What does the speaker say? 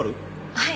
はい。